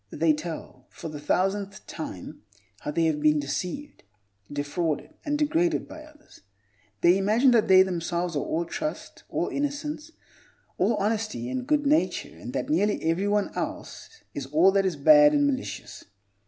They tell, for the thousandth time, how they have been deceived, defrauded, and degraded by others. They imagine that they themselves are all trust, all innocence, all honesty and good nature, and that nearly everyone else is all that is bad and malicious.